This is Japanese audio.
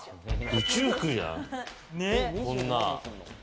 宇宙服じゃん、こんなん。